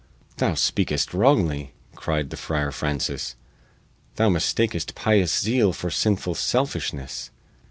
"Thou speakest wrongly," cried the Friar Francis. "Thou mistakest pious zeal for sinful selfishness.